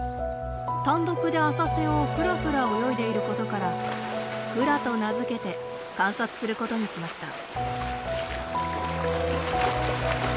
単独で浅瀬をフラフラ泳いでいることから「フラ」と名付けて観察することにしました。